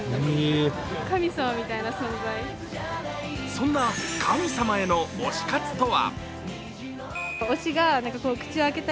そんな神様への推し活とは？